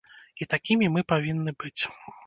І такімі мы павінны быць.